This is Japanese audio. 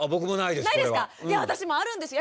いや私もあるんですよ。